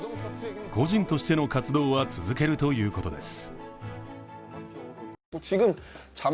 個人としての活動は続けるということです。